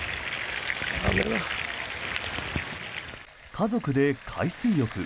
家族で海水浴。